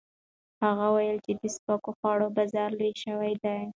هغه وویل چې د سپکو خوړو بازار لوی شوی دی.